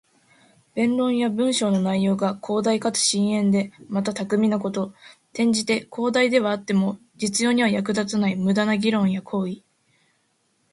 弁論や文章の内容が広大かつ深遠で、また巧みなこと。転じて、広大ではあっても実用には役立たない無駄な議論や行為。